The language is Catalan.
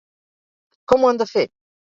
Com ho han de fer?